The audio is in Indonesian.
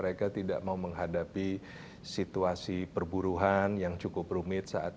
pembangunan ke republic perusahaan indonesia